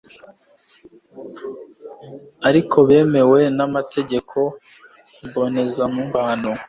ariko bemewe n'amategeko mbonezamubano